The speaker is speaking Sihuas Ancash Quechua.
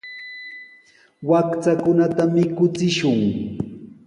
Wakchakunata mikuchishun.